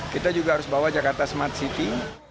kita juga harus bawa jakarta smart city